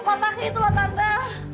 pak pake itu lah tante